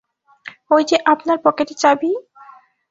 ওই যে আপনার পকেটে চাবি!